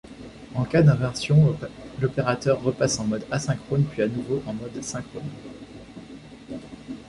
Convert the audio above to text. En cas d'inversion, l'opérateur repasse en mode asynchrone puis à nouveau en mode synchrone.